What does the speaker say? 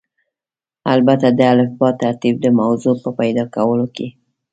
البته د الفبا ترتیب د موضوع په پیدا کولو کې.